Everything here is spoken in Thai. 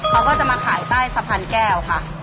เขาก็จะมาขายใต้สะพานแก้วค่ะ